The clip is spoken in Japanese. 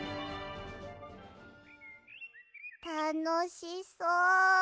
たのしそう。